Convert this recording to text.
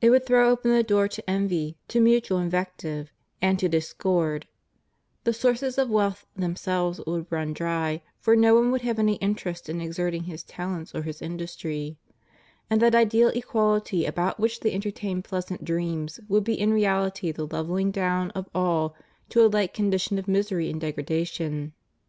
It would throw open the door to envy, to mutual invective, and to discord; the sources of wealth themselves would run dry, for no one would have any interest in exerting his talents or his industry; and that ideal equality about which they entertain pleasant dreams would be in reality the levelling down of all to a like condition of misery and degradation.